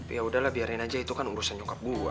ya udahlah biarin aja itu kan urusan nyokap gue